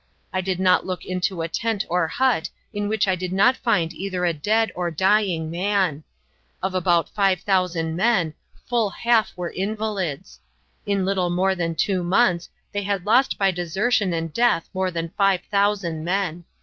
I did not look into a tent or hut in which I did not find either a dead or dying man. Of about 5000 men full half were invalids. In little more than two months they had lost by desertion and death more than 5000 men."